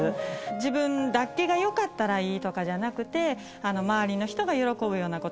自分だけがよかったらいいとかじゃなくて周りの人が喜ぶようなこと